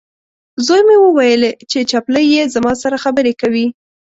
زوی مې وویلې، چې چپلۍ یې زما سره خبرې کوي.